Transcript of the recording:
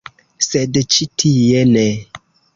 Sed ĉi tie ne.